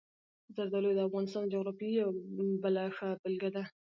زردالو د افغانستان د جغرافیې یوه بله ښه بېلګه ده.